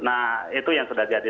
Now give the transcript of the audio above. nah itu yang sudah jadi